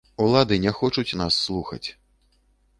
Улады не хочуць нас слухаць.